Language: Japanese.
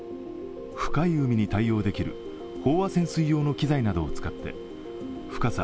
深い海に対応できる飽和潜水用の機材などを使って深さ